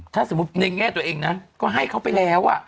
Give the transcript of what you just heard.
ถ้าสมมุติในแง่ตัวเองนะก็ให้เขาไปแล้ว